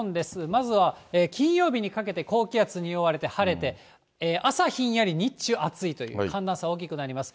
まずは金曜日にかけて高気圧に覆われて晴れて、朝ひんやり、日中暑いという、寒暖差大きくなります。